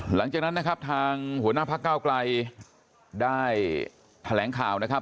หลังจากนั้นนะครับทางหัวหน้าพักเก้าไกลได้แถลงข่าวนะครับ